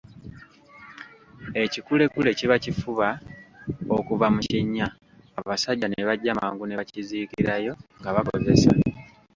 Ekikulekule kiba kifuba okuva mu kinnya, abasajja ne bajja mangu ne bakiziikirayo nga bakozesa.